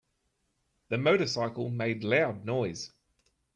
The motorcycle made loud noise.